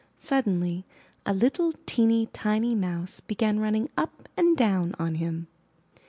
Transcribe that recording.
Sud denly a little teeny, tiny Mouse began running up and down on him.